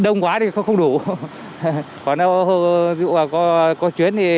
đông quá thì không đủ còn đâu dù có chuyến thì